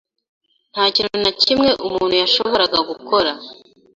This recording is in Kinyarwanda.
Nta kintu na kimwe umuntu yashoboraga gukora.